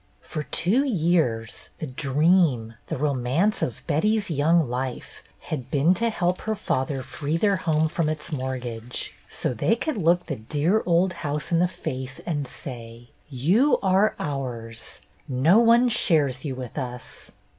For two years the dream, the romance of Betty's young life, had been to help her father I go BETTY BAIRD'S GOLDEN YEAR free their home from its mortgage, so they could look the dear old house in the face and say: ''You are ours. No one shares you with us.